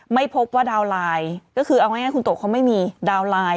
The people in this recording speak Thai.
ไม่พบว่าดาวนไลน์ก็คือเอาง่ายคุณโตเขาไม่มีดาวน์ไลน์